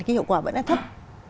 cái hiệu quả vẫn là thấp